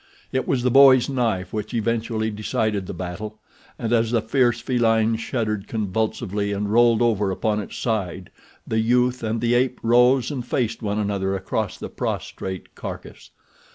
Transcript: It was the boy's knife which eventually decided the battle, and as the fierce feline shuddered convulsively and rolled over upon its side the youth and the ape rose and faced one another across the prostrate carcass.